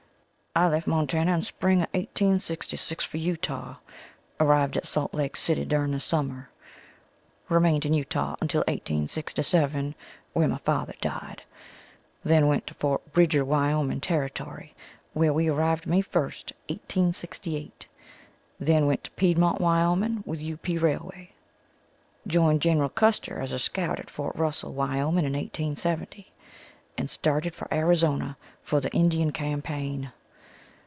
I left Montana in Spring of 1866, for Utah, arriving at Salt Lake city during the summer. Remained in Utah until 1867, where my father died, then went to Fort Bridger, Wyoming Territory, where we arrived May 1, 1868, then went to Piedmont, Wyoming, with U.P. Railway. Joined General Custer as a scout at Fort Russell, Wyoming, in 1870, and started for Arizona for the Indian Campaign.